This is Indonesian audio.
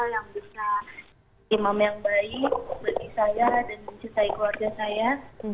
yang bisa imam yang baik bagi saya dan mencintai keluarga saya